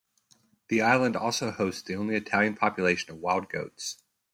The island also hosts the only Italian population of wild goats.